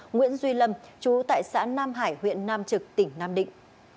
nguyễn duy lâm chú tại xã nam hải huyện nam trực tỉnh nam định